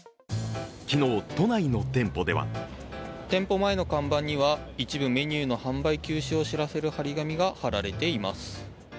昨日、都内の店舗では店舗前の看板には一部メニューの販売休止を知らせる貼り紙が貼られています。